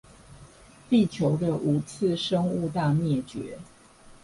地球的五次生物大滅絕